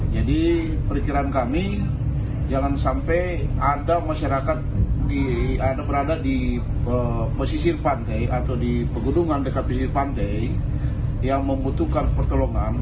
jadi perikiran kami jangan sampai ada masyarakat berada di pesisir pantai atau di pegunungan dekat pesisir pantai yang membutuhkan pertolongan